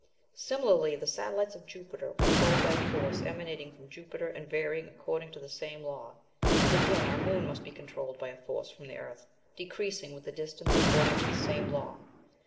Similarly the satellites of Jupiter were controlled by a force emanating from Jupiter and varying according to the same law. And again our moon must be controlled by a force from the earth, decreasing with the distance according to the same law.